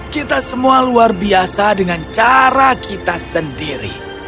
kita semua luar biasa dengan cara kita sendiri